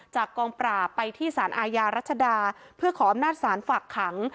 กองปราบไปที่สารอาญารัชดาเพื่อขออำนาจศาลฝากขัง